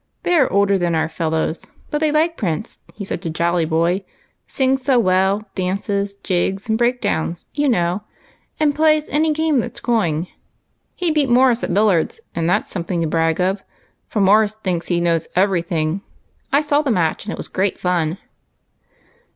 They are older than PEA CE MA KING. 267 our fellows, but they like Prince, he's such a jolly boy ; sings so well, dances jigs and breakdowns, you know, and plays any game that's going. He beat Morse at billiards, and that 's something to brag of, for Morse thinks he knows every thing. I saw the match, and it was great fun